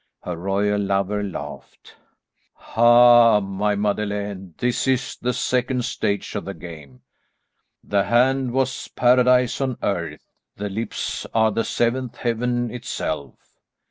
Her royal lover laughed. "Ha, my Madeleine, this is the second stage of the game. The hand was paradise on earth; the lips are the seventh heaven itself."